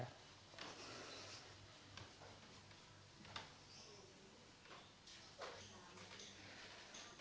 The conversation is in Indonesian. lantai tiga dan lantai empat